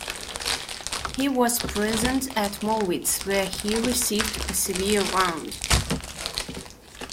He was present at Mollwitz, where he received a severe wound.